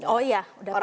oh ya sudah pasti